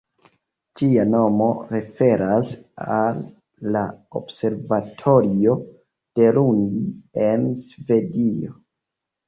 Ĝia nomo referas al la Observatorio de Lund en Svedio.